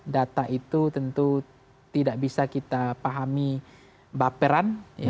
data itu tentu tidak bisa kita pahami baperan